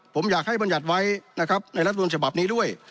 ผมอยากให้บรรยัติไว้นะครับในรัฐมนุนฉบับนี้ด้วย